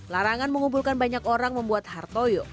larangan mengumpulkan banyak orang membuat hartoyo